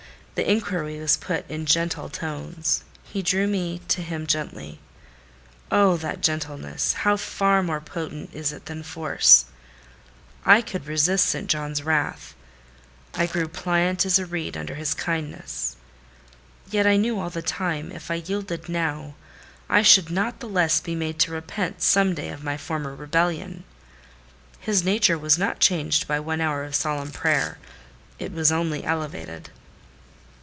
The inquiry was put in gentle tones: he drew me to him as gently. Oh, that gentleness! how far more potent is it than force! I could resist St. John's wrath: I grew pliant as a reed under his kindness. Yet I knew all the time, if I yielded now, I should not the less be made to repent, some day, of my former rebellion. His nature was not changed by one hour of solemn prayer: it was only elevated.